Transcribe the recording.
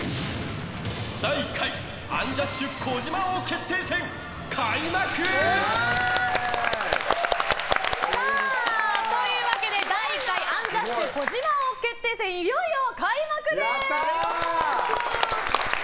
第１回アンジャッシュ児嶋王決定戦開幕！というわけで第１回アンジャッシュ児嶋王決定戦いよいよ開幕です！